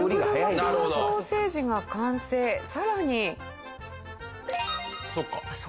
さらに。